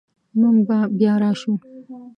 موږ به بیا راشو